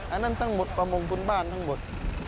อันนั้นทั้งหมดประมงพื้นบ้านทั้งหมด